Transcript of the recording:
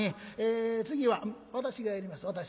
「私がやります私。